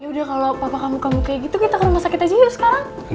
yaudah kalo papa kamu kamu kayak gitu kita ke rumah sakit aja yuk sekarang